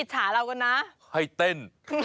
ให้เต้น